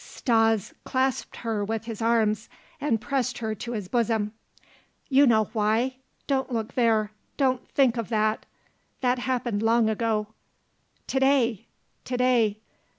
Stas clasped her with his arms and pressed her to his bosom. "You know why! Don't look there! Don't think of that! That happened long ago!" "To day! to day!"